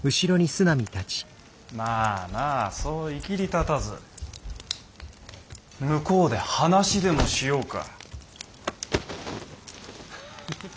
まあまあそういきりたたず向こうで話でもしようか。